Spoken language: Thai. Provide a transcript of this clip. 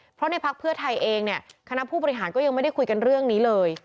เพราะในพักเพื่อไทยเองเนี่ยคณะผู้บริหารก็ยังไม่ได้คุยกันเรื่องนี้เลย